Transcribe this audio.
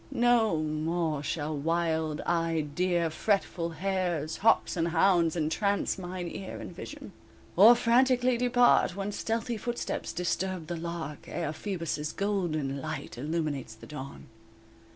No more shall wild eyed deer, Fretful hares, hawks and hounds Entrance mine ear and vision, Or frantically depart when Stealthy footsteps disturb the lark, Ere Phoebus' golden light Illuminates the dawn.